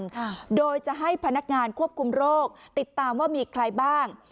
ค่ะโดยจะให้พนักงานควบคุมโรคติดตามว่ามีใครบ้าง